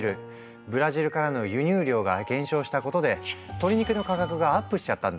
ブラジルからの輸入量が減少したことで鶏肉の価格がアップしちゃったんだ。